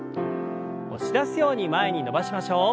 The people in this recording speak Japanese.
押し出すように前に伸ばしましょう。